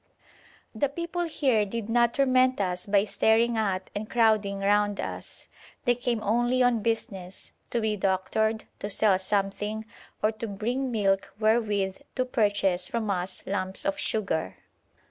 The people here did not torment us by staring at and crowding round us. They came only on business, to be doctored, to sell something, or to bring milk wherewith to purchase from us lumps of sugar.